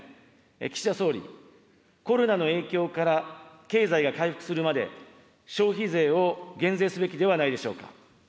岸田総理、コロナの影響から経済が回復するまで、消費税を減税すべきではないでしょうか。